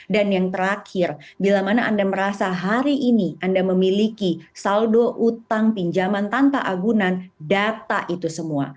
dan yang terakhir bila mana anda merasa hari ini anda memiliki saldo utang pinjaman tanpa agunan data itu semua